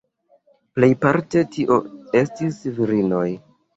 Plejparte tio estis virinoj.